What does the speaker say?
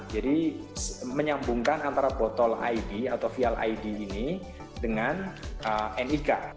jadi menyambungkan antara botol id atau vial id ini dengan nik